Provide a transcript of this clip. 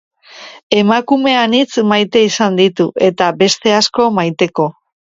Emakume anitz maite izan ditu, eta beste asko maiteko.